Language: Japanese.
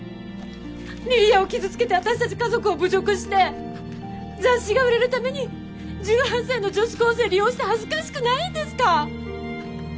梨里杏を傷つけて私達家族を侮辱して雑誌が売れるために１８歳の女子高生利用して恥ずかしくないんですか！？